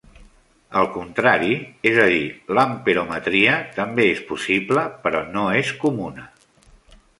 El contrari, és a dir, l'amperometria, també és possible però no és comuna.